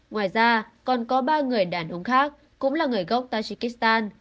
ngoài ra còn có ba người đàn ông khác cũng là người gốc tajikistan